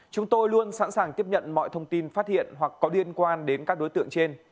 chúng tôi luôn sẵn sàng tiếp nhận mọi thông tin phát hiện hoặc có liên quan đến các đối tượng trên